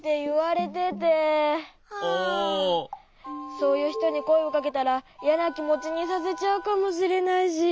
そういうひとにこえをかけたらいやなきもちにさせちゃうかもしれないし。